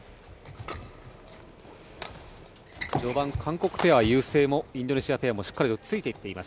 序盤、韓国ペア優勢もインドネシアペアもしっかりついていっています。